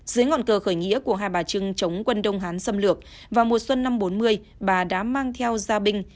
dưới ngọn cờ khởi nghĩa của hai bà trưng chống quân đông hán xâm lược vào mùa xuân năm bốn mươi bà đã mang theo gia binh